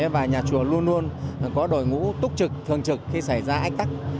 và nhà chùa luôn luôn có đội ngũ túc trực thường trực khi xảy ra ách tắc